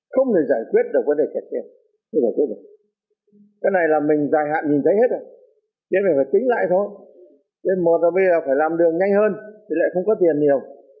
không thể giải quyết được vấn đề kẹt xe